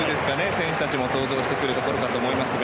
選手たちも登場してくるところだと思いますが。